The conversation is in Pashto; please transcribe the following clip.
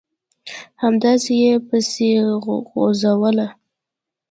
همداسې یې پسې غځوله ...